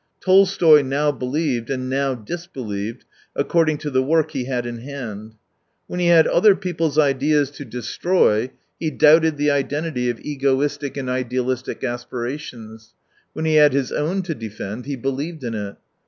Tolstoy now believed, and now disbelieved, according to the work he had in hand. When he had other people's ideas to destroy he doubted the identity of egoistic 88 and idealist aspirations ; when he had his own to defend, he believed in it.